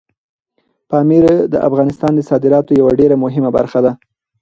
پامیر د افغانستان د صادراتو یوه ډېره مهمه برخه ده.